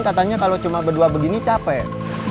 katanya kalau cuma berdua begini capek